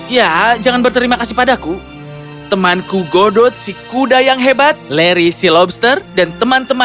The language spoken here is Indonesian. ya jangan berterima kasih padaku temanku godot si kuda yang hebat larry si lobster dan teman teman